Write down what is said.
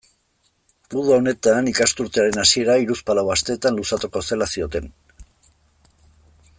Uda honetan ikasturtearen hasiera hiruzpalau asteetan luzatuko zela zioten.